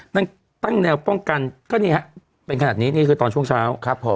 ตั้งตั้งแนวป้องกันก็นี่ฮะเป็นขนาดนี้นี่คือตอนช่วงเช้าครับผม